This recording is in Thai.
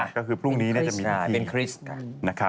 ก็คือพรุ่งนี้จะมีวิธี